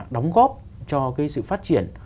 đóng góp cho sự phát triển